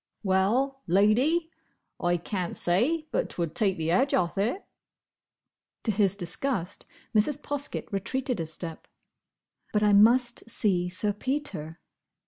"Well, Lady, I can't say but 'twould take the edge off it." To his disgust, Mrs. Poskett retreated a step. "But I must see Sir Peter."